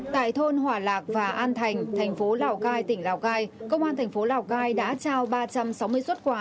tại thôn hỏa lạc và an thành thành phố lào cai tỉnh lào cai công an thành phố lào cai đã trao ba trăm sáu mươi xuất quà